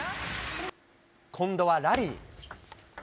今度はラリー。